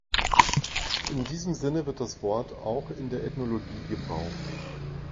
In diesem Sinne wird das Wort auch in der Ethnologie gebraucht.